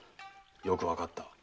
よくわかった。